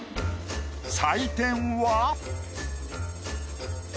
採点は？